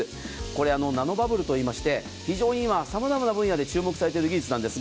これはナノバブルといいまして非常に今、様々な分野で注目されている技術です。